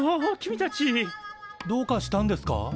どうかしたんですか？